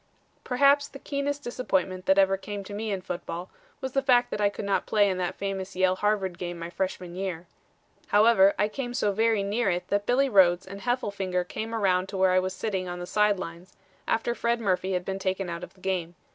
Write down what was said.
"Perhaps the keenest disappointment that ever came to me in football was the fact that I could not play in that famous Yale Harvard game my freshman year. However, I came so very near it that Billy Rhodes and Heffelfinger came around to where I was sitting on the side lines, after Fred Murphy had been taken out of the game.